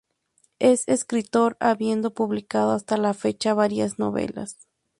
Es escritor, habiendo publicado hasta la fecha varias novelas.